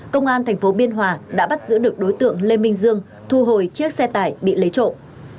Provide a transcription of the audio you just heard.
công an tp biên hòa đã bắt giữ được đối tượng lê minh dương thu hồi chiếc xe tải bị lấy trộm